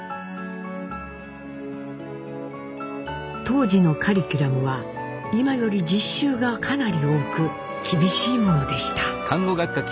当時のカリキュラムは今より実習がかなり多く厳しいものでした。